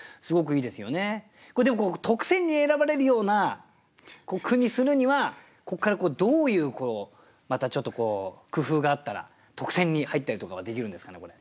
これでも特選に選ばれるような句にするにはこっからどういうまたちょっと工夫があったら特選に入ったりとかはできるんですかねこれ。